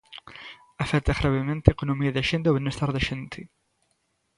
Afecta gravemente a economía da xente e o benestar da xente.